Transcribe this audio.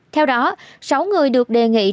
theo đó sáu người được đề nghị triệu tập bảo mẫu